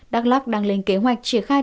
đắk lắc đang lên kế hoạch triển khai